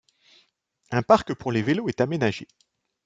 Un parc pour les vélos est aménagé.